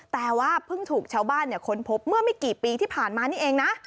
แต่ว่าเพิ่งถูกชาวบ้านค้นพบเมื่อไม่กี่ปีที่ผ่านมานี่เองนะ